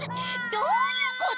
どういうこと？